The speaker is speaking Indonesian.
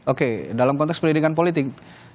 oke dalam konteks pendidikan politik